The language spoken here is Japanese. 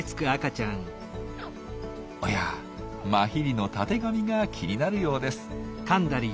おやマヒリのたてがみが気になるようです。